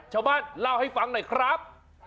ชาวบ้านเล่าให้ฟังหน่อยครับ